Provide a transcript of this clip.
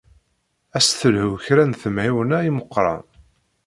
Ad s-telhu kra n temεiwna i Meqqran.